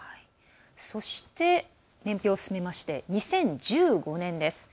そして、年表を進めまして２０１５年です。